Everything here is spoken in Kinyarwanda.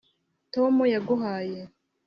tom yaguhaye